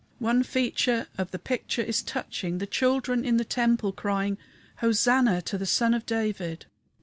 One feature of the picture is touching: the children in the temple crying, "Hosanna to the Son of David!"